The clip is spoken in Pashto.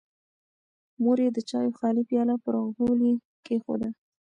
مور یې د چایو خالي پیاله پر غولي کېښوده.